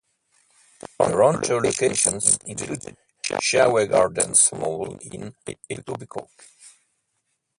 Toronto locations included Sherway Gardens Mall in Etobicoke.